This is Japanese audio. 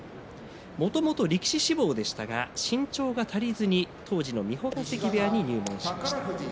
もともと力士志望でしたが身長が足りずに当時の三保ヶ関部屋に入門しました。